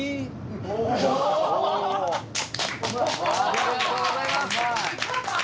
ありがとうございます。